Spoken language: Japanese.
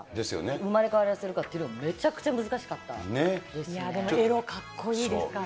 生まれ変わらせるかっていうのがめちゃくちゃ難しかったですね。